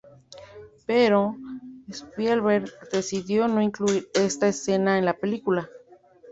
Pero, Spielberg decidió no incluir esta escena en la película.